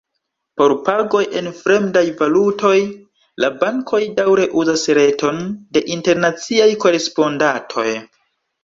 Por pagoj en fremdaj valutoj la bankoj daŭre uzas reton de internaciaj korespondantoj.